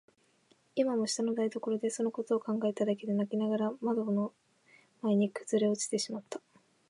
今も下の台所でそのことを考えただけで泣きながらかまどの前にくずおれてしまった。